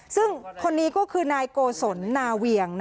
ซึ่งคนนี้ก็คือนายโกศลนาเวียง